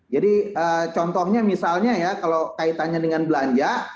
jadi contohnya misalnya ya kalau kaitannya dengan belanja